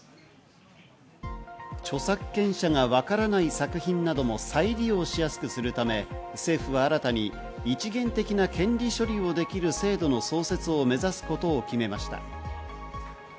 著作権者が分からない作品なども再利用しやすくするため、政府は新たに一元的な権利処理をできる制度の創設を目指すことを決めました。